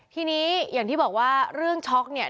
ทีนี้อย่างที่บอกว่าเรื่องช็อกเนี่ย